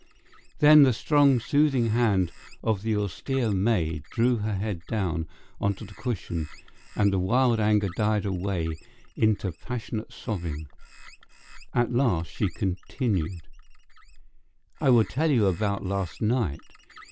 Then the strong, soothing hand of the austere maid drew her head down on to the cushion, and the wild anger died away into passionate sobbing. At last she continued: "I will tell you about last night.